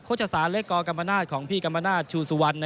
ชศาลเล็กกกรรมนาศของพี่กรรมนาศชูสุวรรณ